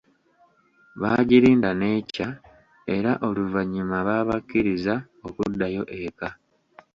Baagirinda nekya era oluvanyuma baabakkiriza okuddayo eka.